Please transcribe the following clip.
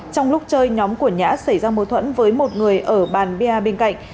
trong lúc chơi nhóm của nhã xảy ra mâu thuẫn với một người ở bàn bia bên cạnh